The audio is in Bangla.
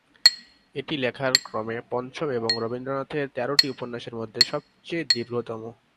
এটি লেখার ক্রমে পঞ্চম এবং রবীন্দ্রনাথের তেরোটি উপন্যাসের মধ্যে সবচেয়ে দীর্ঘতম।